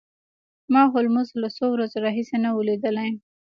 ما هولمز له څو ورځو راهیسې نه و لیدلی